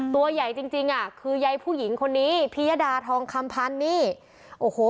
ตัวใหญ่จริงจริงอ่ะคือยายผู้หญิงคนนี้พิยดาทองคำพันธ์นี่โอ้โห